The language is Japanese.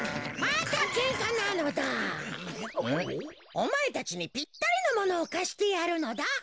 おまえたちにぴったりのものをかしてやるのだ。